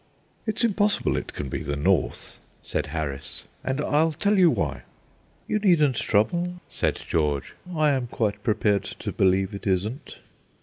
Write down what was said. "It's impossible it can be the north," said Harris, "and I'll tell you why." "You needn't trouble," said George; "I am quite prepared to believe it isn't."